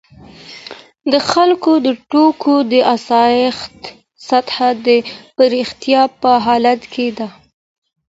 د خلکو د توکو د آسایښت سطح د پراختیا په حال کې ده.